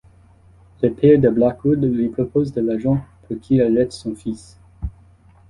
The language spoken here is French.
Le père de Blackwood lui propose de l'argent pour qu'il arrête son fils.